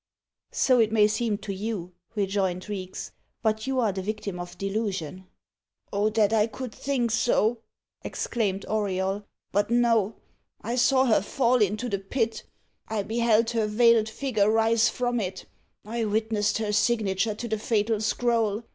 "So it may seem to you," rejoined Reeks; "but you are the victim of delusion." "Oh that I could think so!" exclaimed Auriol. "But no I saw her fall into the pit. I beheld her veiled figure rise from it. I witnessed her signature to the fatal scroll.